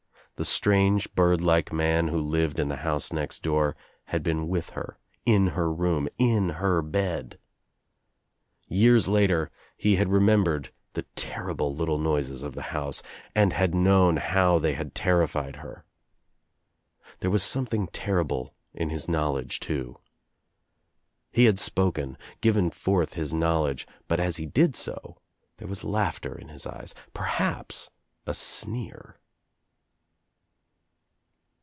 The strange bird like man who lived in the house next door had been with her, in her room, in her bed. Years later he had remembered the terrible little noises of the house and had known how they had terrified her. I OUT OF NOWHERE INTO NOTHING I99 There was something terrible in his knowledge too. He ha4 spoken, given forth his knowledge, but as he did so there was laughter in his eyes, perhaps a; sneer.